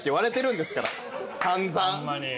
散々。